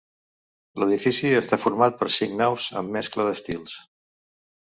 L'edifici està format per cinc naus amb mescla d'estils.